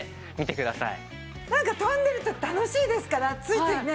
なんか跳んでると楽しいですからついついね